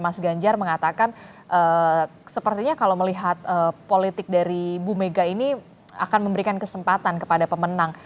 mas ganjar mengatakan sepertinya kalau melihat politik dari bu mega ini akan memberikan kesempatan kepada pemenang